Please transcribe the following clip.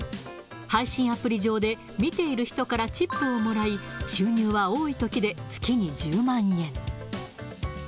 配信アプリ上で見ている人からチップをもらい、収入は多いときで月に１０万円。